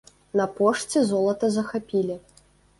На пошце золата захапілі.